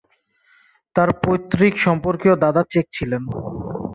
তার পৈতৃক সম্পর্কীয় দাদা চেক ছিলেন।